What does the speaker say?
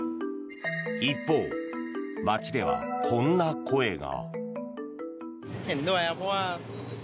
一方、街ではこんな声が。